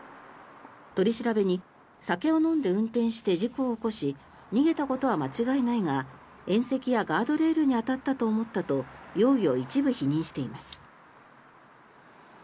取り調べに、酒を飲んで運転して事故を起こし逃げたことは間違いないが縁石やガードレールに当たったと思ったと容疑を一部否認しています。